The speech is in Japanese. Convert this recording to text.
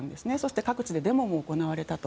そして各地でデモも行われたと。